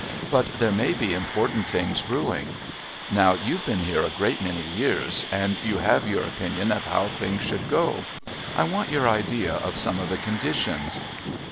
But there may be important things brewing. Now you've been here a great many years and you have your opinion of how things should go. I want your idea of some of the conditions."